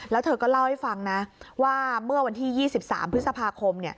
แล้วเธอก็เล่าให้ฟังนะว่าเมื่อวันที่๒๓พฤษภาคม